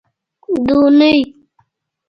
دونۍ